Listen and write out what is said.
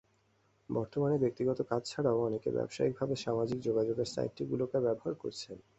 বর্তমানে ব্যক্তিগত কাজ ছাড়াও অনেকেই ব্যবসায়িকভাবে সামাজিক যোগাযোগের সাইটগুলোকে ব্যবহার করছেন।